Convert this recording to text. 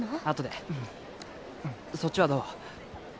あとでそっちはどう？